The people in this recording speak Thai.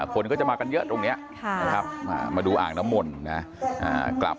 คนก็จะมากันเยอะตรงนี้นะครับมาดูอ่างน้ำมนต์นะ